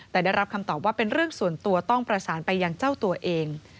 แต่ได้รับคำตอบว่าเป็นเรื่องส่วนตัวต้องประสานไปยังเจ้าตัวเอง